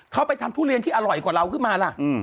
เขาไปทำทุเรียนที่อร่อยกว่าเราขึ้นมาล่ะ